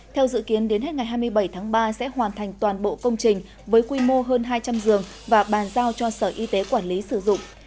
theo dự kiến đến hết ngày hai mươi bảy tháng ba sẽ hoàn thành toàn bộ công trình với quy mô hơn hai trăm linh giường và bàn giao cho sở y tế quản lý sử dụng